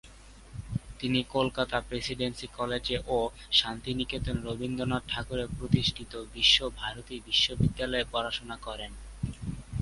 তিনি কলকাতার Presidency College ও শান্তিনিকেতনে রবীন্দ্রনাথ ঠাকুরের প্রতিষ্ঠিত বিশ্বভারতী বিশ্ববিদ্যালয়ে পড়াশোনা করেন।